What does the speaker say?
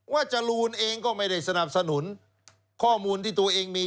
จรูนเองก็ไม่ได้สนับสนุนข้อมูลที่ตัวเองมี